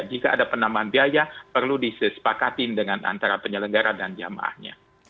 jika ada penamaan biaya perlu disepakati dengan antara penyelenggara dan jemaahnya